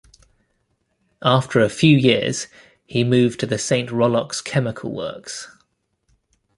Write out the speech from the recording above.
After a few years he moved to the Saint Rollox chemical works.